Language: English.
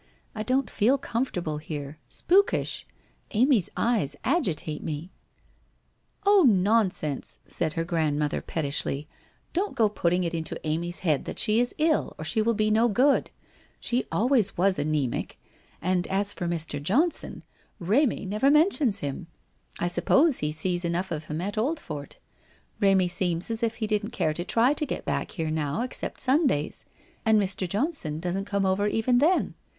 I don't feel comfortable here. Spookishl Amy's eyes agitate me !' 'Oh, nonsense,' said her grandmother pettishly, 'don't go putting it into Amy's head that she is ill, or she will be no good. She always was antemic. And as for Mr. Johnson, Pemy never mentions him. I suppose he sees 21 322 WHITE ROSE OF WEARY LEAF enough of him at Oldfort. Remy seems as if he didn't care to try to get back here now, except Sundays. And Mr. Johnson doesn't come over even then.